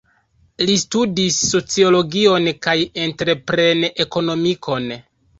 Li studis sociologion kaj entrepren-ekonomikon.